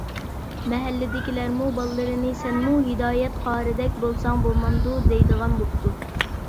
مەھەللىدىكىلەرمۇ بالىلىرىنى سەنمۇ ھىدايەت قارىدەك بولساڭ بولمامدۇ دەيدىغان بوپتۇ.